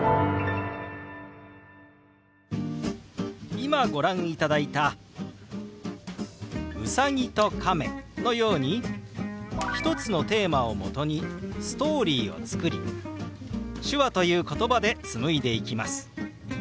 今ご覧いただいた「ウサギとカメ」のように１つのテーマをもとにストーリーを作り手話ということばで紡いでいきます。